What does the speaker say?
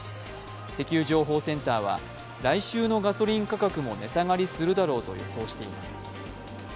石油情報センターは、来週のガソリン価格も値下がりするだろうと予想しています。